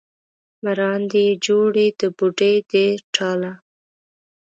مراندې یې جوړې د بوډۍ د ټاله